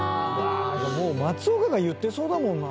もう松岡が言ってそうだもんな。